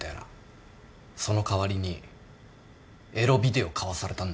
その代わりにエロビデオ買わされたんだよ。